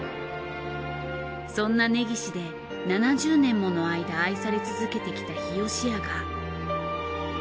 そんな根岸で７０年ものあいだ愛され続けてきた日よしやが。